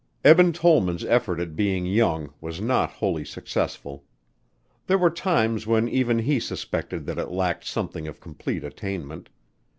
Eben Tollman's effort at being young was not wholly successful. There were times when even he suspected that it lacked something of complete attainment.